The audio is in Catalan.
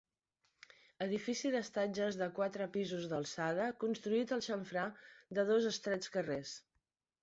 Edifici d'estatges de quatre pisos d'alçada, construït al xamfrà de dos estrets carrers.